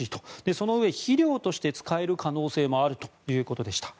そのうえ、肥料として使える可能性もあるということでした。